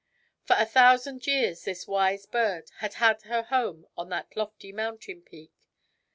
For a thousand years this wise bird had had her home on that lofty mountain peak.